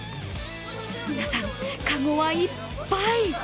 皆さん、籠はいっぱい。